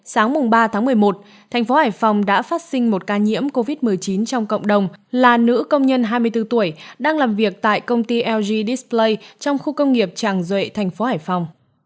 sáng ba tháng một mươi một thành phố hải phòng đã phát sinh một ca nhiễm covid một mươi chín trong cộng đồng là nữ công nhân hai mươi bốn tuổi đang làm việc tại công ty lg diesplay trong khu công nghiệp tràng duệ thành phố hải phòng